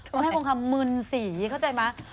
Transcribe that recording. ต้องให้ความคำมึนสีเข้าใจไหม